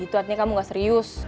itu artinya kamu gak serius